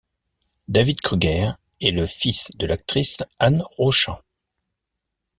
David Krüger est le fils de l'actrice Anne Rochant.